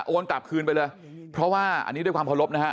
กลับคืนไปเลยเพราะว่าอันนี้ด้วยความเคารพนะฮะ